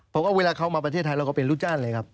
เพราะว่าเวลาเขามาประเทศไทยเราก็เป็นลูกจ้างเลยครับ